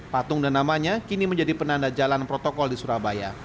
patung dan namanya kini menjadi penanda jalan protokol di surabaya